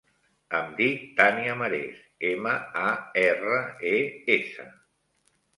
Em dic Tània Mares: ema, a, erra, e, essa.